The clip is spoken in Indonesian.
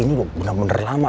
ini bener bener lama